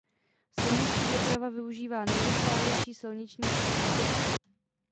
Silniční doprava využívá nejrozsáhlejší silniční síť na světě.